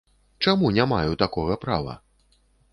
Чаму не маю такога права?